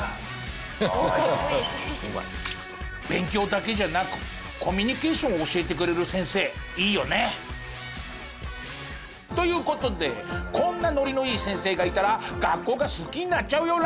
勉強だけじゃなくコミュニケーションを教えてくれる先生いいよね。という事でこんなノリのいい先生がいたら学校が好きになっちゃうよ